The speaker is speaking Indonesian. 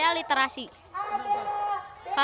karena literasi itu menambah ilmu kita